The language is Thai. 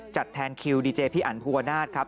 จัดแทนคิวดีเจพี่อันภูวนาศครับ